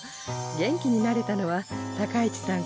元気になれたのは高市さん